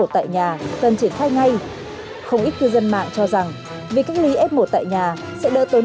tại nhà cần triển khai ngay không ít cư dân mạng cho rằng việc cách ly f một tại nhà sẽ đỡ tốn